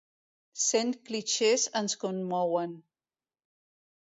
Cent clixés ens commouen.